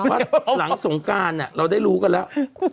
ว่าหลังสงการเราได้รู้กันแล้ว